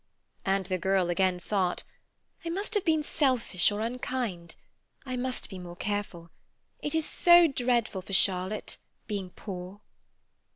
And the girl again thought: "I must have been selfish or unkind; I must be more careful. It is so dreadful for Charlotte, being poor."